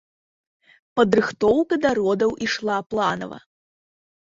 Падрыхтоўка да родаў ішла планава.